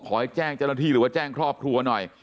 ให้แจ้งเจ้าหน้าที่หรือว่าแจ้งครอบครัวหน่อย